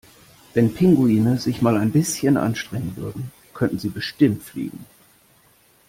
Wenn Pinguine sich mal ein bisschen anstrengen würden, könnten sie bestimmt fliegen!